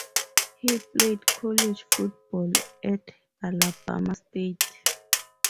He played college football at Alabama State.